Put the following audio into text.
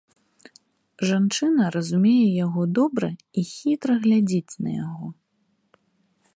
Жанчына разумее яго добра і хітра глядзіць на яго.